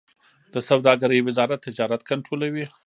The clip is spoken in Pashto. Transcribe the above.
د سوداګرۍ وزارت تجارت کنټرولوي